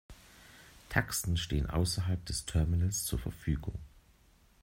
Taxen stehen außerhalb des Terminals zur Verfügung.